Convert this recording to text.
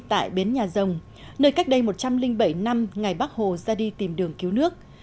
tại bến nhà rồng nơi cách đây một trăm linh bảy năm ngày bắc hồ ra đi tìm đường cứu nước